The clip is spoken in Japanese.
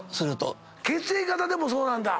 血液型でもそうなんだ。